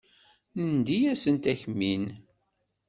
Nendi-asent akmin.